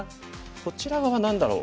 こちら側は何だろう？